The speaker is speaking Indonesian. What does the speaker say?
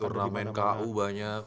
turnamen ku banyak